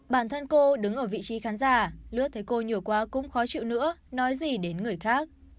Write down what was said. bản thân cô đứng ở vị trí khán giả lướt thấy cô nhiều quá cũng khó chịu nữa nói gì đến người khác